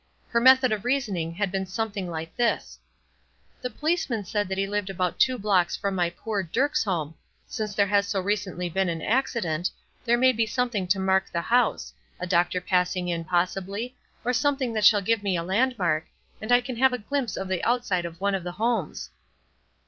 Her method of reasoning had been something like this: "The policeman said he lived about two blocks from my poor Dirk's home. Since there has so recently been an accident, there may be something to mark the house, a doctor passing in, possibly, or something that shall give me a landmark, and I can have a glimpse of the outside of one of the homes."